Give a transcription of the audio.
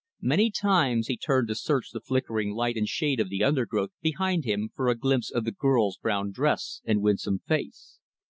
Many times, he turned to search the flickering light and shade of the undergrowth, behind him, for a glimpse of the girl's brown dress and winsome face.